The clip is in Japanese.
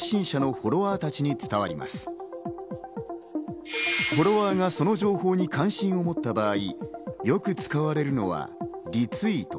フォロワーがその情報に関心を持った場合、よく使われるのはリツイート。